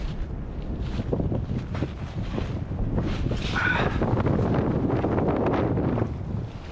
ああ！